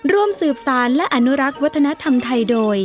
ร่วมสืบสารและอนุรักษ์วัฒนธรรมไทยโดย